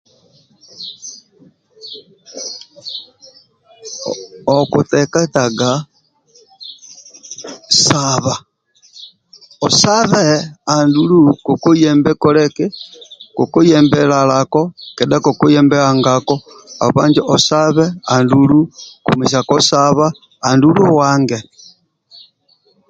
Okuteketaga saba, osabe andulu kokoyembe koleki kokoyembe kolako kedha lalako obanje osabe andulu komesia kosaba andulu ohange.